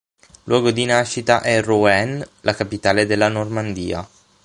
Luogo di nascita è Rouen, la capitale della Normandia.